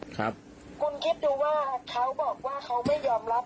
ครับคุณคิดดูว่าเขาบอกว่าเขาไม่ยอมรับ